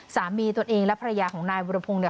ตนเองและภรรยาของนายวิรพงศ์เนี่ย